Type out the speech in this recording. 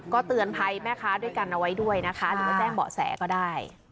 ก็เตือนภัยแม่ค้าด้วยกันเอาไว้ด้วยนะคะหรือว่าแจ้งเบาะแสก็ได้